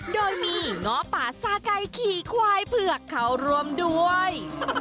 โดยมีง้อป่าซาไก่ขี่ควายเผือกเข้าร่วมด้วย